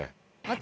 私。